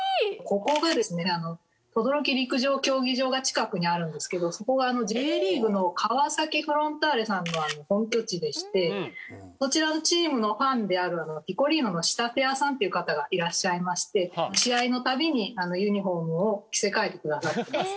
ここがですね等々力陸上競技場が近くにあるんですけどそこがＪリーグの川崎フロンターレさんの本拠地でしてそちらのチームのファンであるピコリーノの仕立屋さんという方がいらっしゃいまして試合の度にユニフォームを着せ替えてくださってます。